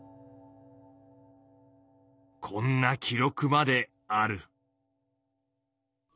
こんな記録まである。